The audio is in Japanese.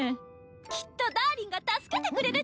きっとダーリンが助けてくれるっちゃ。